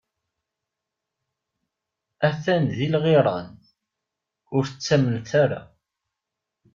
A-t-an di lɣiran, ur ttamnet ara!